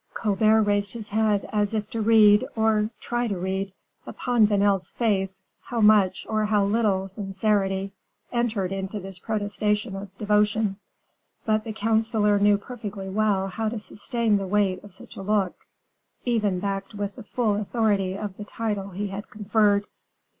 Colbert raised his head as if to read, or try to read, upon Vanel's face how much or how little sincerity entered into this protestation of devotion. But the counselor knew perfectly well how to sustain the weight of such a look, even backed with the full authority of the title he had conferred.